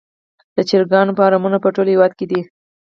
د چرګانو فارمونه په ټول هیواد کې دي